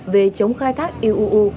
về chống khai thác iuu